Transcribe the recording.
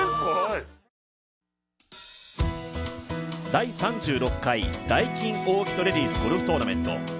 第３６回ダイキンオーキッドレディスゴルフトーナメント。